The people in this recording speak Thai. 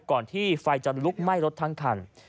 ก่อนที่ไฟจะลุกไหม้รถทั้งคัน